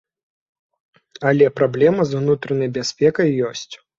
Але праблема з унутранай бяспекай ёсць.